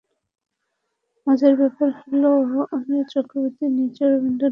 মজার ব্যাপার হলো, অমিয় চক্রবর্তী নিজেও রবীন্দ্রনাথের মতন করে লিখতেন না।